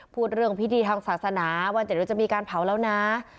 พูดเรื่องพิธีทางศาสนาว่าเดี๋ยวจะมีการเผาแล้วนะ